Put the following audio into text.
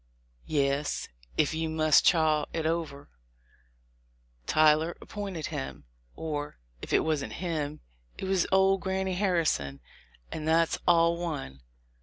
"Yes (if you must chaw it over), Tyler appointed him ; or, if it wasn't him, it was old Granny Harri son, and that's all one.